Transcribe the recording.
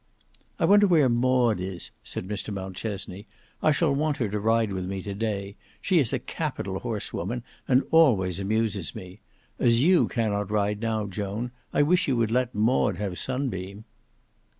"I wonder where Maud is," said Mr Mountchesney; "I shall want her to ride with me to day. She is a capital horsewoman, and always amuses me. As you cannot ride now, Joan, I wish you would let Maud have Sunbeam."